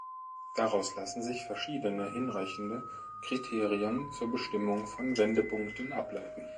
Daraus lassen sich verschiedene hinreichende Kriterien zur Bestimmung von Wendepunkten ableiten.